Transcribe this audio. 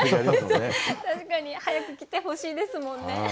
確かに早く来てほしいですもんね。